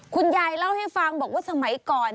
คุณยายเล่าให้ฟังบอกว่าสมัยก่อน